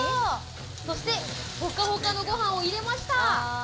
そしてホカホカのご飯を入れました。